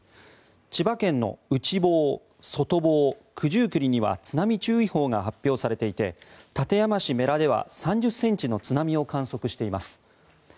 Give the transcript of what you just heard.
千葉県の内房、外房九十九里には津波注意報が発表されていて館山市布良では３０ｃｍの津波を観測しています。